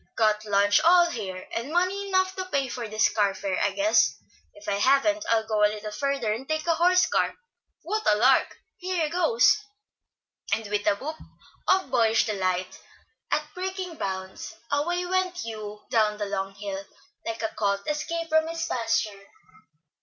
Got lunch all here, and money enough to pay this car fare, I guess. If I haven't, I'll go a little further and take a horse car. What a lark! here goes," and with a whoop of boyish delight at breaking bounds, away went Hugh down the long hill, like a colt escaped from its pasture.